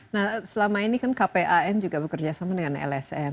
nah selama ini kan kpan juga bekerja sama dengan lsm